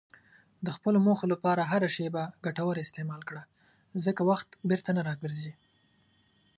د خپلو موخو لپاره هره شېبه ګټوره استعمال کړه، ځکه وخت بیرته نه راګرځي.